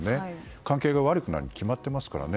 関係が悪くなるに決まっていますからね。